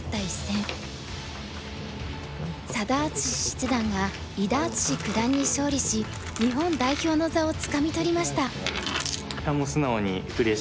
佐田篤史七段が伊田篤史九段に勝利し日本代表の座をつかみ取りました。